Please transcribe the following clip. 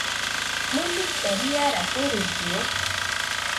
¿Mɨnɨka riara fɨruidɨo?